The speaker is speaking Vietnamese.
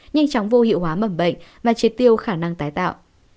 nhanh chóng vô hiệu hóa mầm bệnh và triệt tiêu khả năng tái tạo